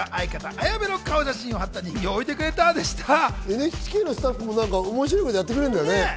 ＮＨＫのスタッフも面白いことやってくれるんだね。